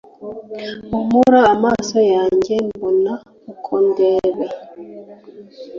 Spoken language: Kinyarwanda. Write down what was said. humura amaso yanjye mbona uko ndebe